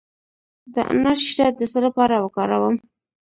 د انار شیره د څه لپاره وکاروم؟